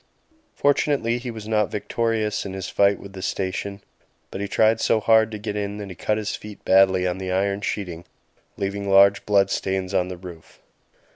Fortunately he was not victorious in his "fight with the station"; but he tried so hard to get in that he cut his feet badly on the iron sheeting, leaving large blood stains on the roof.